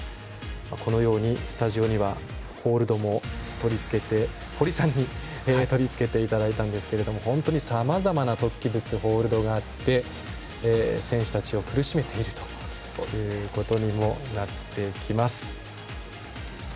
このようにスタジオにはホールドも堀さんに取り付けていただいたんですが本当にさまざまな突起物ホールドがあって選手たちを苦しめているということにもなってきます。